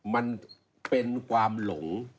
มันเป็นความหลง